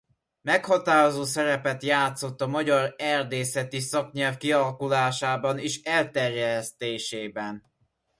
Meghatározó szerepet játszott a magyar erdészeti szaknyelv kialakulásában és elterjesztésében.